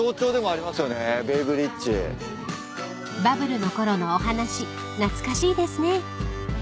［バブルのころのお話懐かしいですね］